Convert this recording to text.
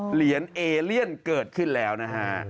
เหรียญเอเลียนเกิดขึ้นแล้วนะฮะ